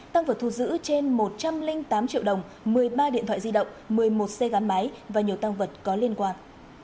tăng vật thu giữ trên một trăm linh tám triệu đồng một mươi ba điện thoại di động một mươi một xe gắn máy và nhiều tăng vật có liên quan